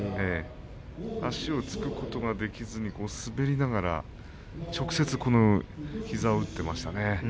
足を着くことができずに滑りながら直接、膝を打っていましたね。